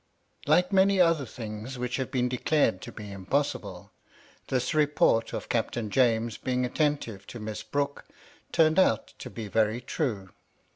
Like many other things which have been declared to be impossible, this report of Captain James being attentive to Miss Brooke turned out to be very true.